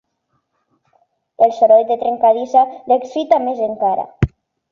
El soroll de trencadissa l'excita més encara.